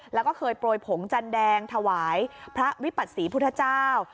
แล้วก็เคยโปรยผงจันแดงถวายพระวิปัตศรีพุทธเจ้า